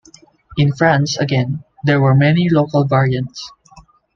In France, again, there were many local variants.